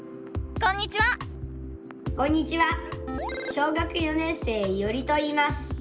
小学４年生いおりといいます。